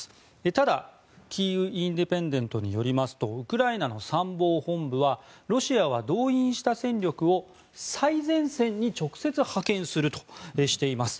ただキーウ・インディペンデントによりますとウクライナの参謀本部はロシアは動員した戦力を最前線に直接派遣するとしています。